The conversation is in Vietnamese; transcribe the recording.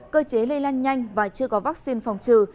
cơ chế lây lan nhanh và chưa có vaccine phòng trừ